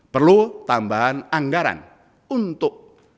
perlu tambahan anggaran untuk di bidang kesehatan